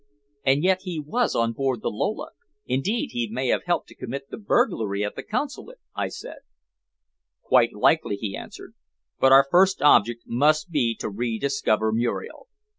"And yet he was on board the Lola. Indeed, he may have helped to commit the burglary at the Consulate," I said. "Quite likely," he answered. "But our first object must be to rediscover Muriel.